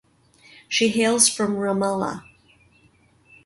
She hails from Ramallah.